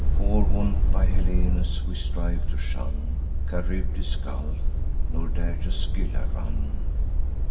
Forewarn'd by Helenus, we strive to shun Charybdis' gulf, nor dare to Scylla run.